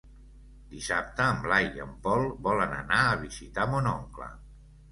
Dissabte en Blai i en Pol volen anar a visitar mon oncle.